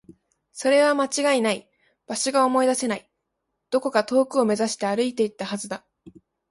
それは間違いない。場所が思い出せない。どこか遠くを目指して歩いていったはずだ。